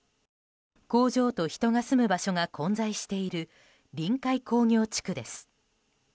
工場と人が住む場所が混在している臨海工業地区です。